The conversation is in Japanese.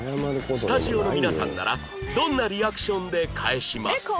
スタジオの皆さんならどんなリアクションで返しますか？